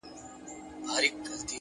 بریا د تکراري سمو کارونو پایله ده.!